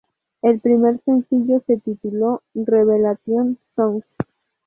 El primer sencillo se tituló "Revelation Song".